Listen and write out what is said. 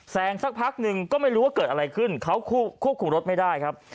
สักพักหนึ่งก็ไม่รู้ว่าเกิดอะไรขึ้นเขาควบคุมรถไม่ได้ครับ